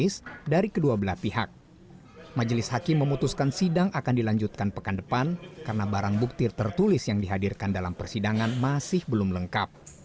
sidang akan dilanjutkan pekan depan karena barang buktir tertulis yang dihadirkan dalam persidangan masih belum lengkap